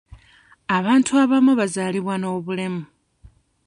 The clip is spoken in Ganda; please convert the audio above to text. Abantu abamu bazaalibwa n'obulemu.